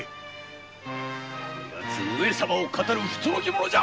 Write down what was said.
こやつ上様を騙る不届き者！